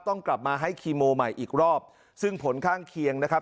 ต้องกลับมาให้คีโมใหม่อีกรอบซึ่งผลข้างเคียงนะครับ